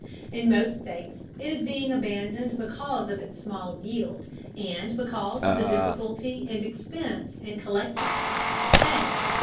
In most states it is being abandoned because of its small yield, and because of the difficulty and expense in collecting it. A.